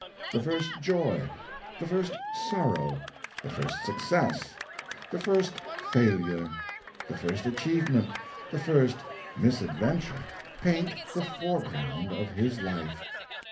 The first joy, the first sorrow, the first success, the first failure, the first achievement, the first misadventure, paint the foreground of his life.